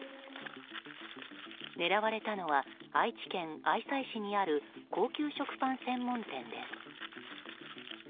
狙われたのは愛知県愛西市にある高級食パン専門店です。